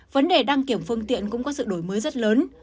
vấn đề đăng kiểm phương tiện cũng có sự đổi mới rất lớn